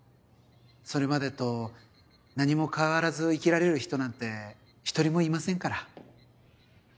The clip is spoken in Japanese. それまでと何も変わらず生きられる人なんて一人もいませんから。